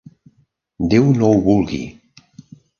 Déu no ho vulgui!